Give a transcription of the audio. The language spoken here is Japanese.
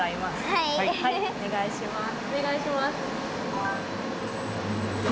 はいお願いします。